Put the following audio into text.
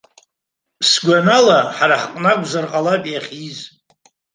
Сгәанала, ҳара ҳҟны акәзар ҟалап иахьиз.